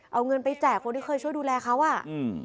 เอาเงินไปแจกคนที่เคยช่วยดูแลเขาอ่ะอืม